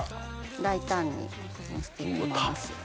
大胆にのせて行きます。